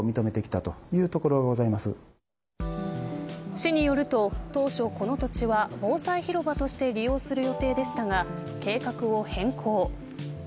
市によると、当初この土地は防災広場として利用する予定でしたが計画を変更。